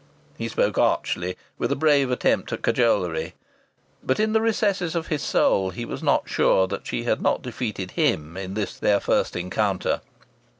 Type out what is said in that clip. He spoke archly, with a brave attempt at cajolery. But in the recesses of his soul he was not sure that she had not defeated him in this their first encounter.